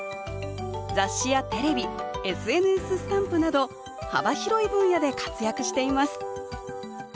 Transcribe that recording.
雑誌やテレビＳＮＳスタンプなど幅広い分野で活躍しています